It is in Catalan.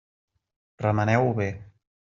Remeneu-ho bé.